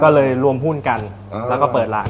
ก็เลยรวมหุ้นกันแล้วก็เปิดร้าน